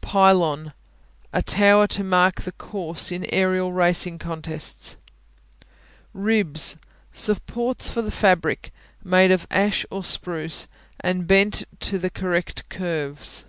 Pylon A tower to mark the course in aerial racing contests. Ribs Supports for the fabric, made of ash or spruce and bent to the correct curves.